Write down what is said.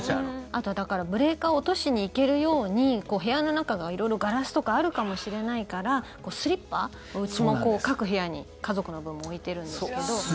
あと、ブレーカーを落としに行けるように部屋の中が色々ガラスとかあるかもしれないからスリッパを、うちも各部屋に家族の分も置いてるんですけど。